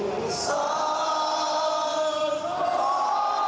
หัวหน้าจากแห่งสงสารขอบรรณา